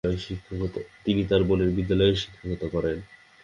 তিনি তার বোনের বিদ্যালয়েও শিক্ষকতা করেন।